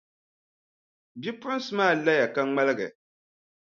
Bipuɣinsi maa laya ka ŋmaligi.